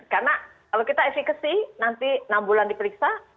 karena kalau kita efekasi nanti enam bulan diperiksa